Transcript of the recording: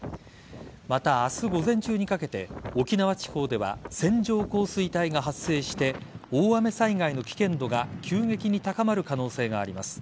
また、明日午前中にかけて沖縄地方では線状降水帯が発生して大雨災害の危険度が急激に高まる可能性があります。